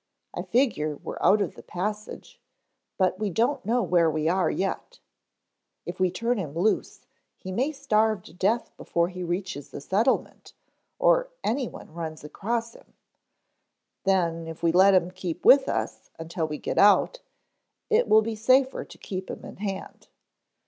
"I figure we're out of the passage, but we don't know where we are yet. If we turn him loose he may starve to death before he reaches a settlement or any one runs across him; then, if we let him keep with us until we get out it will be safer to keep him in hand.